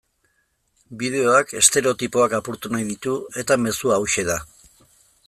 Bideoak estereotipoak apurtu nahi ditu eta mezua hauxe da.